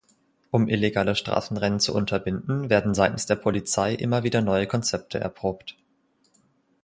Um illegale Straßenrennen zu unterbinden, werden seitens der Polizei immer wieder neue Konzepte erprobt.